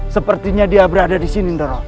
sepertinya dia berada di sini dorong